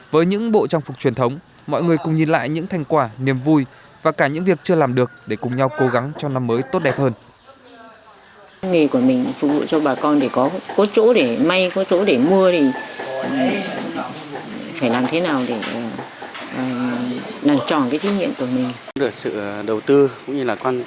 với những bộ trang phục truyền thống mọi người cùng nhìn lại những thành quả niềm vui và cả những việc chưa làm được để cùng nhau cố gắng cho năm mới tốt đẹp hơn